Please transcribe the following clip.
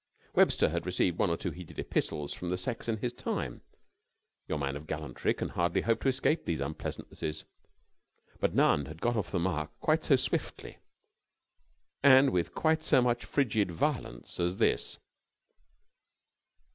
Webster had received one or two heated epistles from the sex in his time your man of gallantry can hardly hope to escape these unpleasantnesses but none had got off the mark quite so swiftly, and with quite so much frigid violence as this.